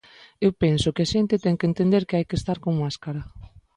Eu penso que a xente ten que entender que hai que estar con máscara.